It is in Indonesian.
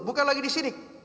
bukan lagi di sini